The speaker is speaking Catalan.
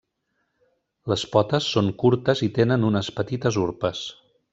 Les potes són curtes i tenen unes petites urpes.